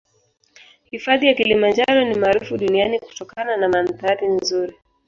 Hifadhi ya kilimanjaro ni maarufu duniani kutokana na mandhari nzuri